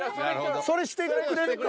それしてくれるか？